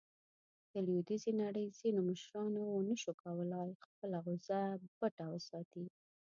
د لویدیځې نړۍ ځینو مشرانو ونه شو کولاې خپله غوصه پټه وساتي.